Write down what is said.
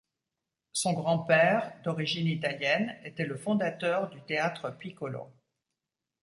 Son grand-père, d'origine italienne, était le fondateur du Théâtre Picolo.